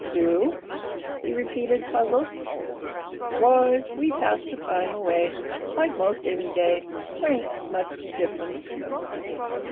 "Do?" he repeated, puzzled. "Why, we pass the time away, like 'most any day. There ain't much difference."